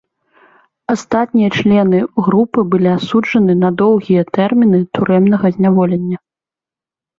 Астатнія члены групы былі асуджаны на доўгія тэрміны турэмнага зняволення.